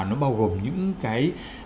nó bao gồm những cái